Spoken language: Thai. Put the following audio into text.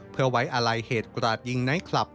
เพื่อไว้อาลัยเหตุกราดยิงไนท์คลับ